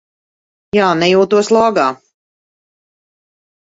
Jā, nejūtos lāgā.